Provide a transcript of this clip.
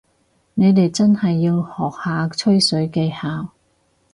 你哋真係要學下吹水技巧